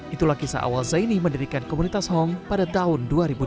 itulah kisah awal zaini mendirikan komunitas hong pada tahun dua ribu delapan